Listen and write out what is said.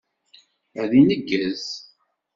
Ad ineggez.